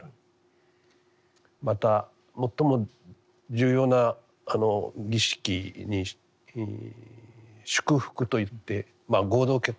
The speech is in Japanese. また最も重要な儀式に祝福といって合同結婚式ですね。